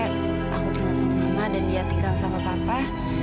aku tinggal sama mama dan dia tinggal sama papa